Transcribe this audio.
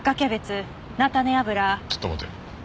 ちょっと待て。